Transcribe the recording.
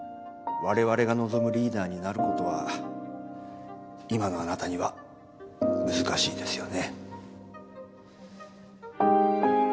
我々が望むリーダーになる事は今のあなたには難しいですよね。